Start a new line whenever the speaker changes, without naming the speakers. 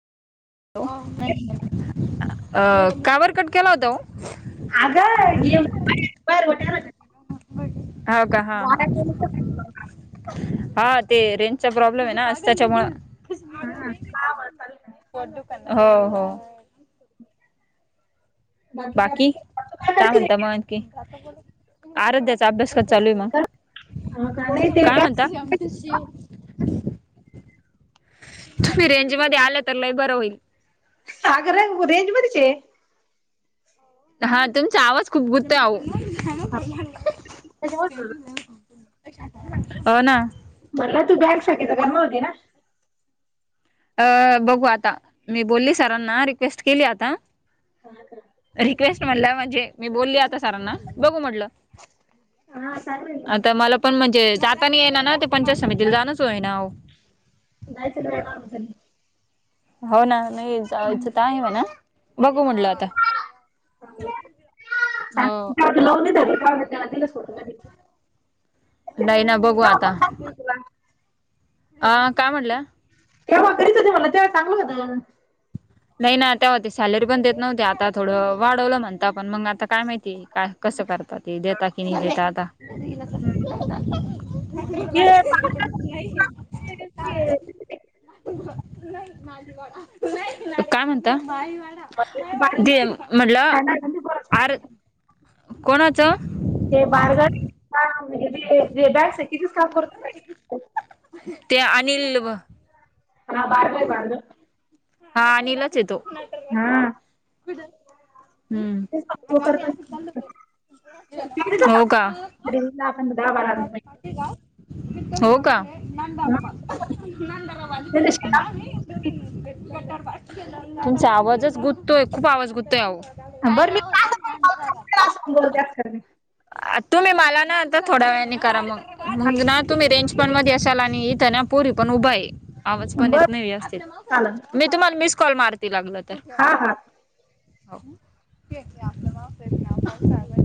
का बर कट केला होता हो?
बर बर करा.
हा का हा हा
वाया गेले तर.
हा ते रेंजचा प्रॉब्लेम आहे ना त्याच्या मुळ.
हा हा, चालेल ना.
हो हो
[inaudible] काय
बाकी
तू
काय
करते रे?
म्हणता मग आणखी? आराध्याचा अभ्यास कसा चालू आहे मग?
हो का नाही ते
काय
बॅग
म्हणता? तुम्ही रेंज मध्ये आला तर लई बर होईल..
अग रेंज रेंज मधचे आहे.
हा तुमचा आवाज खूप गुततोय आहो.
त्याच्यावर बोल.
हो ना.
म्हणल तू बँक शाखेचा करणार होती ना.
अ बघू आता मी बोलली सरांना रिक्वेस्ट केली आता.
कोणाकडं
रिक्वेस्ट म्हटलं म्हणजे मी बोलली आता सरांना बघू म्हटलं.
हा चालेल ना.
आता मला पण म्हणजे जाता नी येना ना ते पंचायत समिती जाणच होई ना हो.
जायचं [unintelligible] झाली.
हो ना, नाही जायचं तर आहे म्हणा, बघू म्हटलं आता. [inaudible] हो. नाही ना बघू
[unintelligible] तुला
आ काय म्हणल्या?
तेव्हा घरीच होते मला, तेव्हा चांगलं होतं म्हणून.
नाही ना, तेव्हा ते सॅलरी पण देत नव्हत्या आता थोडं वाढवलं म्हणता पण मंग आता काय माहिती काय कसं करता ते देता कि नाही देता आता. [unintelligible]
ते
नाही माजी वाडा नाही काय म्हणता देइ म्हटलं अर कोणाचं?
ते [inaudible] जे बॅगस आहे किती. [unintelligible]
ते अनिल व
क ना बारगं आहे बारगं.
हा अनिलच येतो.
हां.
कुदे हम्म,
तो करतो
हो का?
तरीला आपण दहा बारा रूपय
हो का? तुमचा आवाजच गुंततोय, खूप आवाज गुंततोय अहो.
बरं मी का [unintelligible] असं पण बोलत्या खरं मी.
आ तुम्ही मला ना आता थोड्या वेळानी करा मंग. मंग ना तुम्ही रेंज पण मध्ये असाल आणि इथं ना पुरी पण उभं आहे. आवाज
हा
पण येत
बरं
नाही व्यवस्थित
चालेल
मी तुम्हाला मिस कॉल मारते लागल तर.
हा हा.
होव.